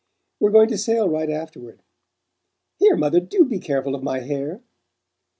"We're going to sail right afterward. Here, mother, do be careful of my hair!"